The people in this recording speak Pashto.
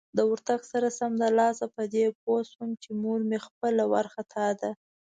د ورتګ سره سمدلاسه په دې پوه شوم چې مور مې خپله وارخطا ده.